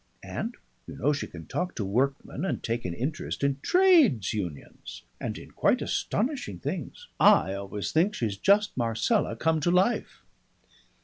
And you know she can talk to workmen and take an interest in trades unions, and in quite astonishing things. I always think she's just Marcella come to life."